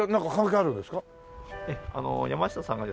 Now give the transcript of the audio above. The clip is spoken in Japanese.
山下さんがですね